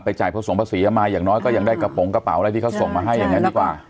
จ่ายผสมภาษีมาอย่างน้อยก็ยังได้กระโปรงกระเป๋าอะไรที่เขาส่งมาให้อย่างนี้ดีกว่า